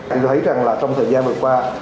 chúng ta thấy rằng là trong thời gian vừa qua